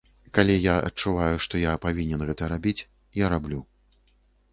Калі я адчуваю, што я павінен гэта рабіць, я раблю.